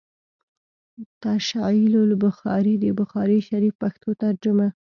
“ تشعيل البخاري” َد بخاري شريف پښتو ترجمه